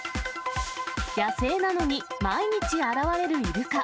野生なのに毎日現れるイルカ。